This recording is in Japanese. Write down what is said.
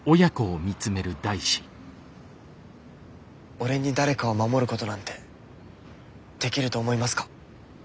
俺に誰かを守ることなんてできると思いますか？